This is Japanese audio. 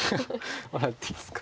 笑っていますか。